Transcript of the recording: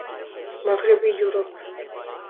مغربی یورپ